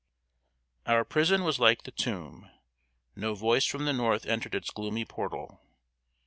] Our prison was like the tomb. No voice from the North entered its gloomy portal.